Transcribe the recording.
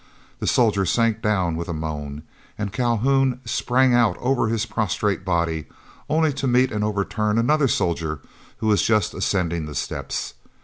The soldier sank down with a moan, and Calhoun sprang out over his prostrate body, only to meet and overturn another soldier who was just ascending the steps.